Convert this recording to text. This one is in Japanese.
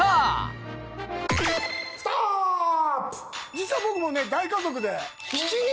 実は僕も大家族で。